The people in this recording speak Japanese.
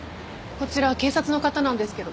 こちら警察の方なんですけど。